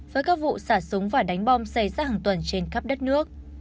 với các vụ xả súng và đánh bom xảy ra hàng tuần trên khắp đất nước